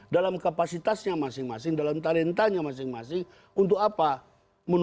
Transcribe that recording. dalam kapasitasnya masing masing dalam talentanya masing masing dalam kekuatan masing masing